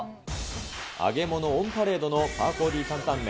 揚げ物オンパレードのパーコーＤ担々麺。